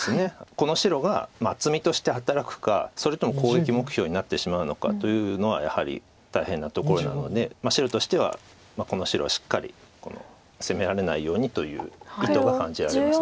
この白が厚みとして働くかそれとも攻撃目標になってしまうのかというのはやはり大変なところなので白としてはこの白をしっかり攻められないようにという意図が感じられます。